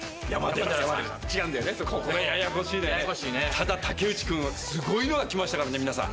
ただ武内君はすごいのが来ましたからね皆さん。